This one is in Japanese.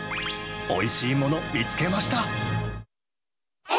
おいしいもの見つけました。